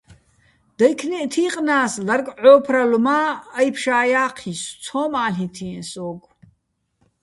დაჲქნეჸ თი́ყნა́ს, ლარკ ჺო́ფრალო̆, მა́ აჲფშა́ ჲა́ჴისო̆, ცო́მ ა́ლ'ითიეჼ სო́გო̆.